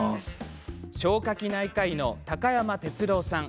消化器内科医の高山哲朗さん。